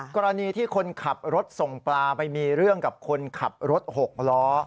กรณีที่คนขับรถส่งปลาไปมีเรื่องกับคนขับรถ๖ล้อ